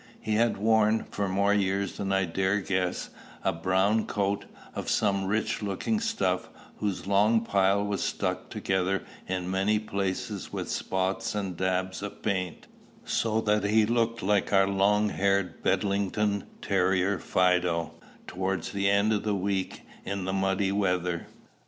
He had worn, for more years than I dare guess, a brown coat, of some rich looking stuff, whose long pile was stuck together in many places with spots and dabs of paint, so that he looked like our long haired Bedlington terrier Fido, towards the end of the week in muddy weather.